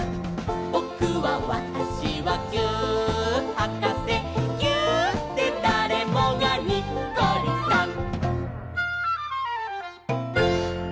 「ぼくはわたしはぎゅーっはかせ」「ぎゅーっでだれもがにっこりさん！」